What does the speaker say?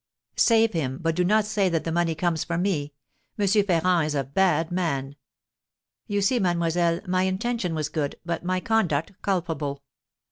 Save him, but do not say that the money comes from me. M. Ferrand is a bad man.' You see, mademoiselle, my intention was good, but my conduct culpable.